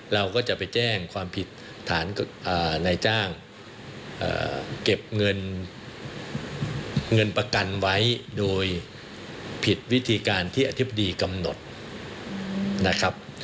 เราก็จะไปแจ้งความผิดฐานนายจ้างเก็บเงินเงินประกันไว้โดยผิดวิธีการที่อธิบดีกำหนดนะครับ